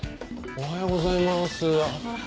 おはようございます。